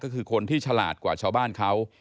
ก็คือคนที่ฉลาดกว่าชาวบ้านเขา